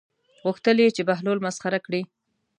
غوښتل یې چې بهلول مسخره کړي.